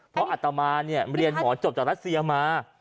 เพราะอัตมาเนี่ยเรียนหมอจบจากรัสเซียมา